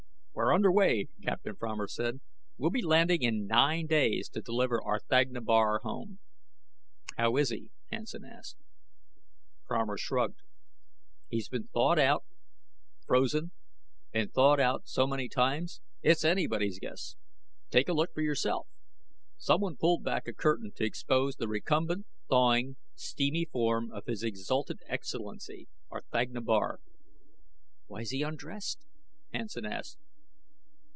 "We're underway," Captain Fromer said. "We'll be landing in nine days to deliver R'thagna Bar home." "How is he?" Hansen asked. Fromer shrugged. "He's been thawed out, frozen, and thawed out so many times, it's anybody's guess. Take a look for yourself." Someone pulled back a curtain to expose the recumbent, thawing, steamy form of His Exhalted Excellency R'thagna Bar. "Why's he undressed?" Hansen asked.